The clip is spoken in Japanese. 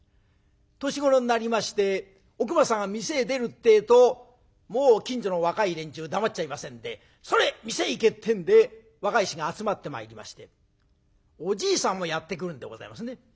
年頃になりましておくまさんが店へ出るってえともう近所の若い連中黙っちゃいませんでそれ店へ行けってんで若い衆が集まってまいりましておじいさんもやって来るんでございますね。